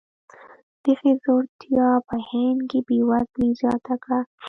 دغې ځوړتیا په هند کې بېوزلي زیاته کړه.